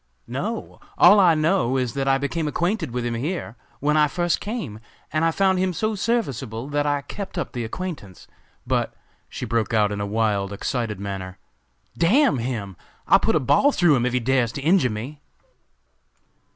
"No. All I know is that I became acquainted with him here, when I first came, and I found him so serviceable that I kept up the acquaintance; But," she broke out in a wild, excited manner, "D n him! I'll put a ball through him if he dares to injure me."